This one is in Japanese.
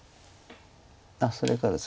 あっそれから打つ。